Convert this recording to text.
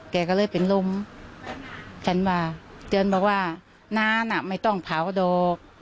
แกก็เลยเป็นลมฉันว่าเตือนบอกว่าน้าน่ะไม่ต้องเผาดอก